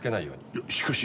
いやしかし。